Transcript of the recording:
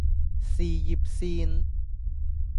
事業線